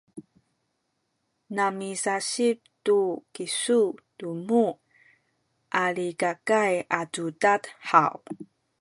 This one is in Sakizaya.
namiasip tu kisu tunu Alikakay a cudad haw?